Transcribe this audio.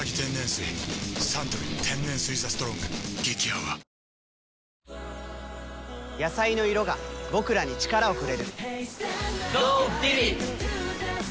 サントリー天然水「ＴＨＥＳＴＲＯＮＧ」激泡野菜の色が僕らにチカラをくれるＧｏＶｉｖｉｄ！